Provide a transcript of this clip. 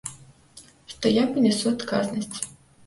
Што я панясу адказнасць.